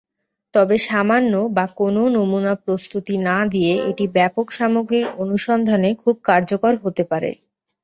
তবে সামান্য বা কোনও নমুনা প্রস্তুতি না দিয়ে এটি ব্যাপক সামগ্রীর অনুসন্ধানে খুব কার্যকর হতে পারে।